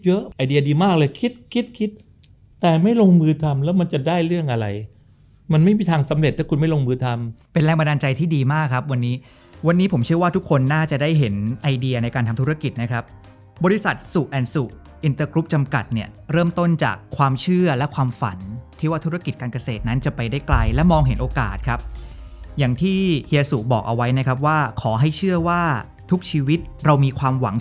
ว่ามันจะได้เรื่องอะไรมันไม่มีทางสำเร็จถ้าคุณไม่ลงมือทำเป็นแรงบันดาลใจที่ดีมากครับวันนี้วันนี้ผมเชื่อว่าทุกคนน่าจะได้เห็นไอเดียในการทำธุรกิจนะครับบริษัทสุอันสุอินเตอร์กรุ๊ปจำกัดเนี่ยเริ่มต้นจากความเชื่อและความฝันที่ว่าธุรกิจการเกษตรนั้นจะไปได้ไกลและมองเห็นโอกาสครับอย่าง